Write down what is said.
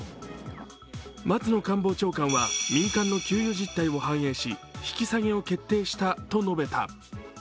松野官房長官は、民間の給与実態を反映し引き下げを決定したと述べた。